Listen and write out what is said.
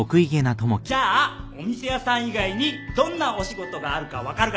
じゃあお店屋さん以外にどんなお仕事があるか分かるかな？